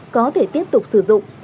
có thể tiếp tục sử dụng